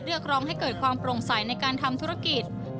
เรียกร้องให้เกิดความโปร่งใสในการทำธุรกิจ